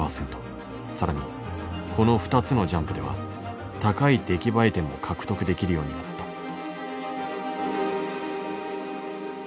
更にこの２つのジャンプでは高い出来栄え点も獲得できるようになった。